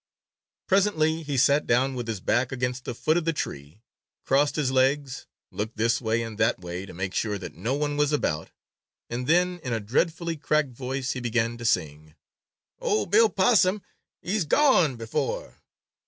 Presently he sat down with his back against the foot of the tree, crossed his legs, looked this way and that way to make sure that no one was about, and then in a dreadfully cracked voice he began to sing: "Ol' Bill Possum, he's gone before!